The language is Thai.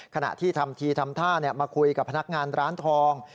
ขณะที่ทำทีทำท่ามาคุยกับพนักงานร้านทอง